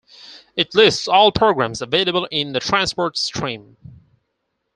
It lists all programs available in the transport stream.